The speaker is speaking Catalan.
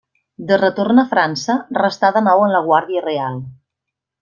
De retorn a França, restà de nou en la Guàrdia Real.